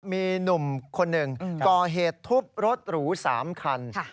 มีหนุ่มคนหนึ่งก่อเหตุทุบรถหรู๓คัน